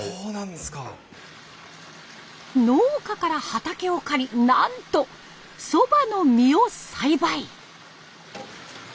農家から畑を借りなんとそばの実を栽培！